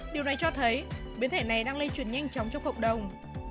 điều này cho thấy biến thể này đang lây chuyển nhanh chóng trong cộng đồng